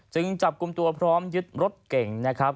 จับกลุ่มตัวพร้อมยึดรถเก่งนะครับ